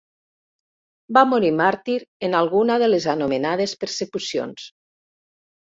Va morir màrtir en alguna de les anomenades persecucions.